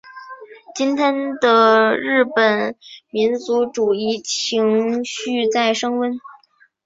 今天的日本民族主义情绪在升温。